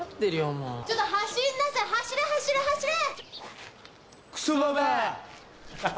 もうちょっと走んなさい走れ走れ走れ！